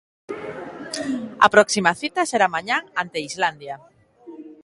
A próxima cita será mañá ante Islandia.